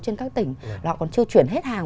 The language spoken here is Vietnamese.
trên các tỉnh họ còn chưa chuyển hết hàng